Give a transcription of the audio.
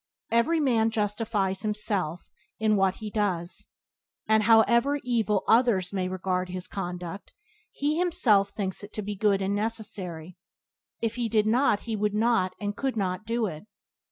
Every man justifies himself in what he does, and, however evil others may regard his conduct, he himself thinks it to be good and necessary; If he did not he would not, could not do it.